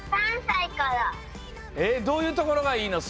どういうところがいいの？